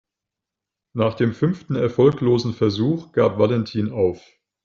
Nach dem fünften erfolglosen Versuch gab Valentin auf.